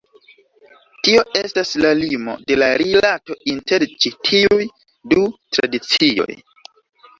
Tio estas la limo de la rilato inter ĉi tiuj du tradicioj.